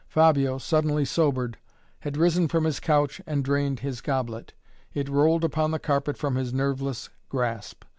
Fabio, suddenly sobered, had risen from his couch and drained his goblet. It rolled upon the carpet from his nerveless grasp.